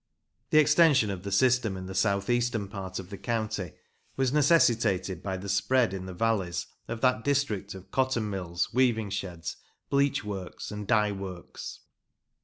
The extension of the system in the south eastern part of the county was necessitated by the spread in the valleys of that district of cotton mills, weaving sheds, bleach works, and dye works.